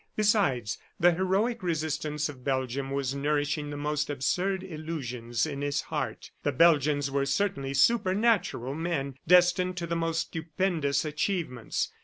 Besides, the heroic resistance of Belgium was nourishing the most absurd illusions in his heart. The Belgians were certainly supernatural men destined to the most stupendous achievements. ...